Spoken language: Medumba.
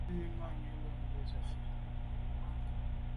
Mba zit manwù lo ghù se fà’.